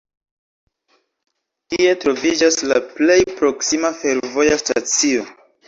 Tie troviĝas la plej proksima fervoja stacio.